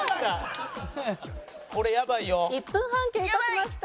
１分半経過しました。